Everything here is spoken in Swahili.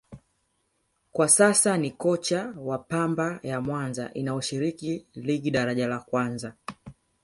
kwa sasa ni kocha wa Pamba ya Mwanza inayoshiriki Ligi Daraja La Kwanza